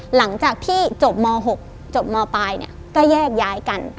หลังจากที่จบม๖จบมปลายก็แยกย้ายกัน